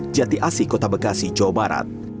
jati asi kota bekasi jawa barat